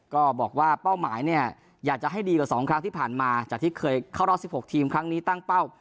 ก็บอกว่าเป้าหมายเนี่ยอยากจะให้ดีกว่า๒ครั้งที่ผ่านมาจากที่เคยเข้ารอบ๑๖ทีมครั้งนี้ตั้งเป้า